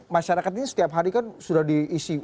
masyarakat ini setiap hari kan sudah diisi